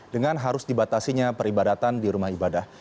dengan harus dibatasinya peribadatan di rumah ibadah